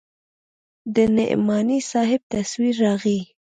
د نعماني صاحب تصوير راغى.